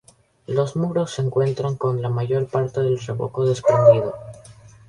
Los muros se encuentran con la mayor parte del revoco desprendido.